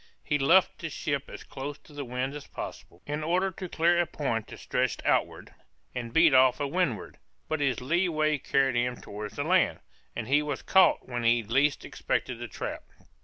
He luffed his ship as close to the wind as possible, in order to clear a point that stretched outward, and beat off to windward, but his lee way carried him towards the land, and he was caught when he least expected the trap.